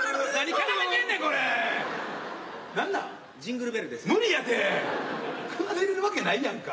奏でれるわけないやんか。